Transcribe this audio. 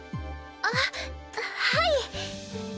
あっはい！